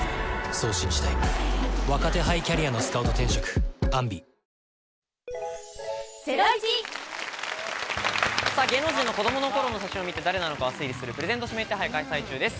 はじけすぎでしょ『三ツ矢サイダー』芸能人の子どもの頃の写真を見て誰なのかを推理するプレゼント指名手配を開催中です。